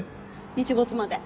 日没まで